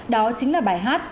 đó chính là bài hát